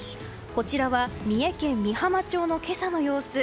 こちらは三重県御浜町の今朝の様子。